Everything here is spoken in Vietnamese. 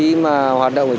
khi mà hoạt động xe